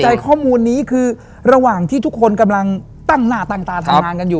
ใจข้อมูลนี้คือระหว่างที่ทุกคนกำลังตั้งหน้าตั้งตาทำงานกันอยู่